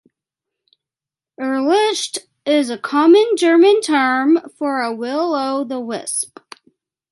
Irrlicht is a common German term for a will-o'-the-wisp.